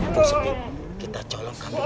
buat sepi kita colongkan dia